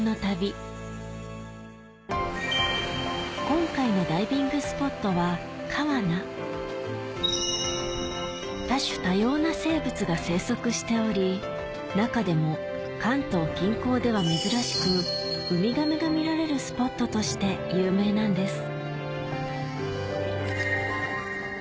今回のダイビングスポットは中でも関東近郊では珍しくウミガメが見られるスポットとして有名なんです